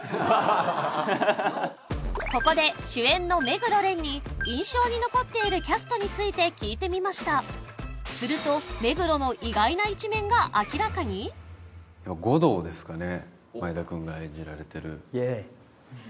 ここで主演の目黒蓮に印象に残っているキャストについて聞いてみましたすると目黒の五道ですかね